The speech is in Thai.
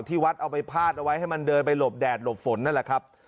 ที่วัดเอาไปพาดเอาไว้ให้มันเดินไปหลบแดดหลบฝนนั่นแหละครับ